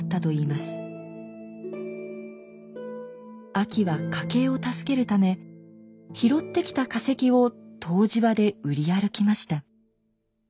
あきは家計を助けるため拾ってきた化石を湯治場で売り歩きました。